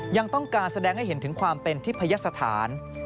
ยังต้องการแสดงให้เห็นถึงความเป็นทิพยสถาน